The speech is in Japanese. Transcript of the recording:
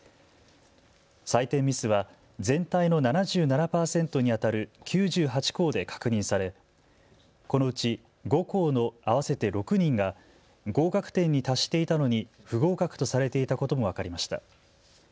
採点ミスは全体の７７％にあたる９８校で確認されこのうち５校の合わせて６人が合格点に達していたのに不合格とされていたことも分かりました。